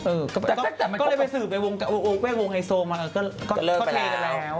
เออแต่ก็ก็ได้ไปสืบไปวงวงไฮโซมาก็เลิกไปแล้ว